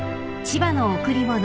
［『千葉の贈り物』］